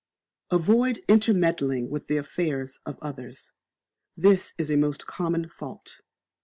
Avoid intermeddling with the affairs of others. This is a most common fault.